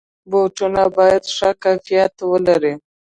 بوټونه باید ښه کیفیت ولري.